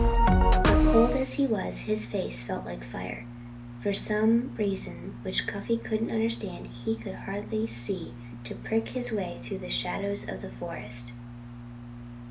But cold as he was, his face felt like fire. And for some reason, which Cuffy couldn't understand, he could hardly see to pick his way through the shadows of the forest.